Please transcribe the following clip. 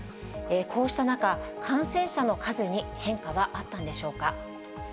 こうした中、感染者の数に変化はあったんでしょうか。